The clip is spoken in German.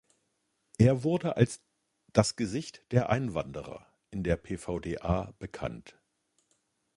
Er wurde als „das Gesicht der Einwanderer“ in der PvdA bekannt.